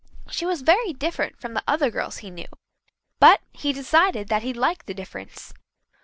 She was very different from the other girls he knew, but he decided that he liked the difference.